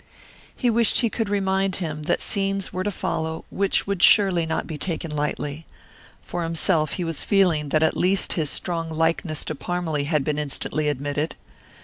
He wished he could remind him that scenes were to follow which would surely not be taken lightly. For himself, he was feeling that at least his strong likeness to Parmalee had been instantly admitted.